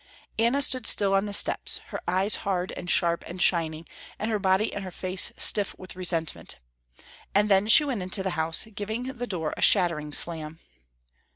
Anna stood still on the steps, her eyes hard and sharp and shining, and her body and her face stiff with resentment. And then she went into the house, giving the door a shattering slam.